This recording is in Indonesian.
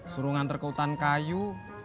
suruh ngantar ke hutan kayu